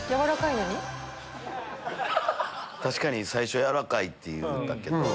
確かに最初軟らかいって言うたけど。